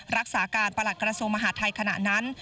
รักษาการประหลักกระทรวงมหาดไทยขณะนั้น